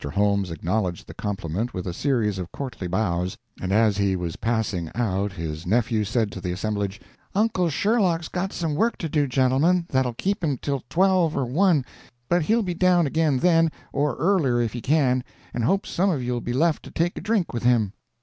Holmes acknowledged the compliment with a series of courtly bows, and as he was passing out his nephew said to the assemblage, "Uncle Sherlock's got some work to do, gentlemen, that 'll keep him till twelve or one; but he'll be down again then, or earlier if he can, and hopes some of you'll be left to take a drink with him."